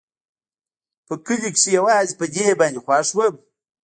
په کلي کښې يوازې په دې باندې خوښ وم.